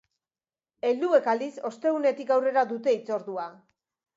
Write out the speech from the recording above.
Helduek, aldiz, ostegunetik aurrera dute hitzordua.